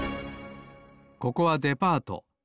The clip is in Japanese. ここはデパート。